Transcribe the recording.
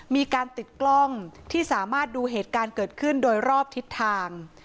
มีการติดกล้องที่สามารถดูเหตุการณ์เกิดขึ้นโดยรอบทิศทาง